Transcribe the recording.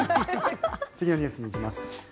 次のニュースに行きます。